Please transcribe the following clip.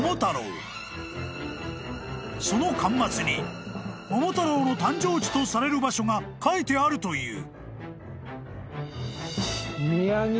［その巻末に『桃太郎』の誕生地とされる場所が書いてあるという］